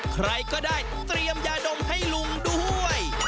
ใครก็ได้เตรียมยาดมให้ลุงด้วย